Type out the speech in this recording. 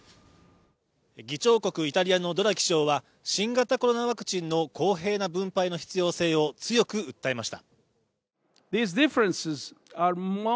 議長国、イタリアのドラギ首相は新型コロナワクチンの公平な分配の必要性を強く訴えました。